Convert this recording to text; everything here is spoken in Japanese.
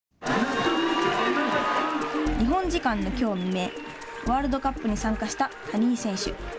日本時間のきょう未明ワールドカップに参加した谷井選手。